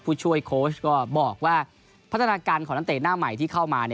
ผู้ช่วยโค้ชก็บอกว่าพัฒนาการของนักเตะหน้าใหม่ที่เข้ามา